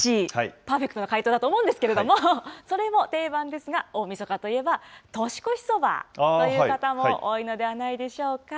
パーフェクトな回答だと思うんですけれども、それも定番ですが、大みそかといえば、年越しそばという方も多いのではないでしょうか。